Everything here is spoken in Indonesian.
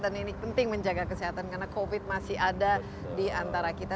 dan ini penting menjaga kesehatan karena covid masih ada di antara kita